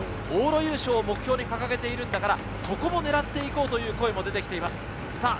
往路優勝を目標に掲げているんだから、そこも狙って行こうという声がかけられています。